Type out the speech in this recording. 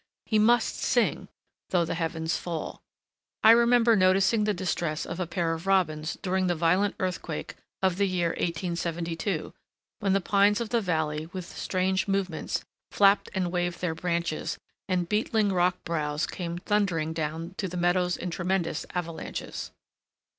He must sing though the heavens fall. I remember noticing the distress of a pair of robins during the violent earthquake of the year 1872, when the pines of the Valley, with strange movements, flapped and waved their branches, and beetling rock brows came thundering down to the meadows in tremendous avalanches.